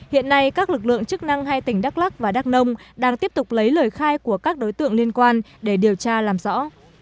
hiện nay các lực lượng chức năng hai tỉnh đắk lắc và đắk nông đang tiếp tục lấy lời khai của các đối tượng liên quan để điều tra làm rõ